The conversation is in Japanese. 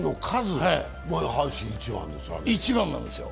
阪神１番なんですよ。